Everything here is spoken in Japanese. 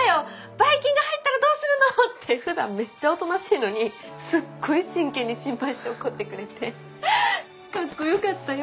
ばい菌が入ったらどうするの！」ってふだんめっちゃおとなしいのにすっごい真剣に心配して怒ってくれてかっこよかったよ。